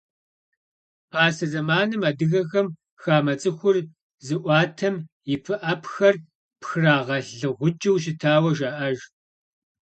Пасэ зэманым адыгэхэм хамэ щэхур зыӀуатэм и пыӀэпхэр пхрагъэлыгъукӀыу щытауэ жаӀэж.